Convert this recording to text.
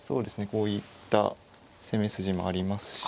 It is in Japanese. こういった攻め筋もありますし。